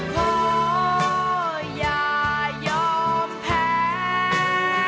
ขออย่ายอมแพ้